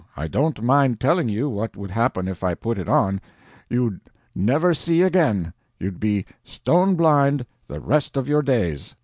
I don't mind telling you what would happen if I put it on. You'd never see again. You'd be stone blind the rest of your days."